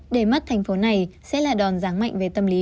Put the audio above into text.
để mắt thành phố này sẽ là đòn ráng mạnh về tâm lý